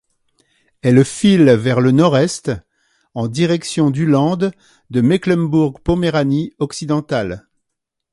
Elle file vers le nord-est en direction du land de Mecklembourg-Poméranie-Occidentale.